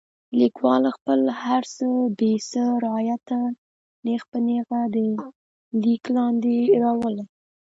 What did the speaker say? لیکوال خپل هر څه بې څه رعایته نیغ په نیغه د لیک لاندې راولي.